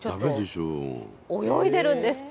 泳いでるんです。